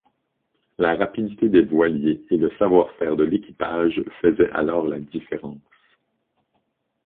La rapidité des voiliers et le savoir-faire de l'équipage faisaient alors la différence.